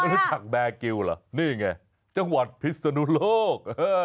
รู้จักแบร์กิวเหรอนี่ไงจังหวัดพิศนุโลก